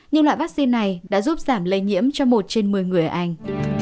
nhưng loại vaccine này đã giúp giảm lây nhiễm cho một trên một mươi người anh